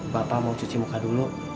bapak mau cuci muka dulu